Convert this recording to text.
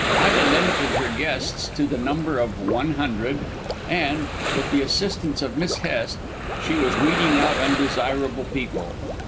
Ida limited her guests to the number of one hundred, and, with the assistance of Miss Hest, she was weeding out undesirable people.